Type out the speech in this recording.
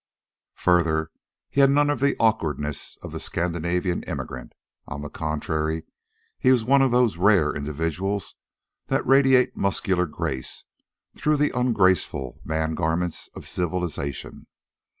Further, he had none of the awkwardness of the Scandinavian immigrant. On the contrary, he was one of those rare individuals that radiate muscular grace through the ungraceful man garments of civilization.